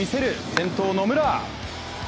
先頭・野村！